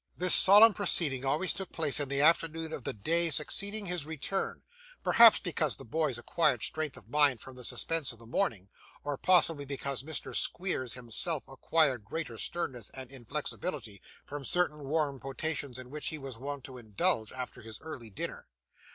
This solemn proceeding always took place in the afternoon of the day succeeding his return; perhaps, because the boys acquired strength of mind from the suspense of the morning, or, possibly, because Mr. Squeers himself acquired greater sternness and inflexibility from certain warm potations in which he was wont to indulge after his early dinner.